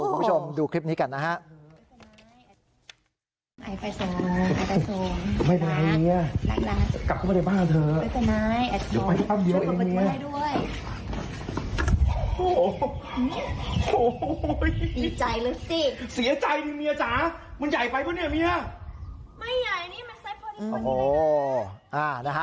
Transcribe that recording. คุณผู้ชมดูคลิปนี้กันนะฮะ